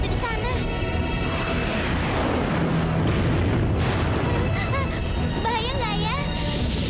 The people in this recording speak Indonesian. itu sangat keren dan anggap